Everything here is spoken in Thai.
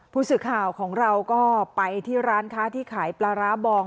ผู้สื่อข่าวของเราก็ไปที่ร้านค้าที่ขายปลาร้าบอง